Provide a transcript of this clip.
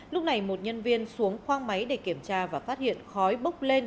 lúc này một nhân viên xuống khoang máy để kiểm tra và phát hiện khói bốc lên